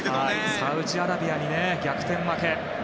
サウジアラビアに逆転負け。